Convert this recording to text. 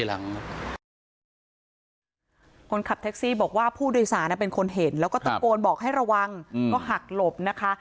แล้วก็ตะโกนบอกให้ระวังก็หักหลบนะคะ